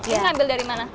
terus ngambil dari mana